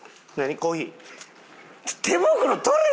コーヒー？